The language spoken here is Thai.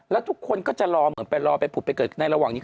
แล้วทุกคนก็จะรอเหมือนไปรอไปผุดไปเกิดในระหว่างนี้